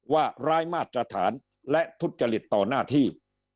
ร้ายมาตรฐานและทุจริตต่อหน้าที่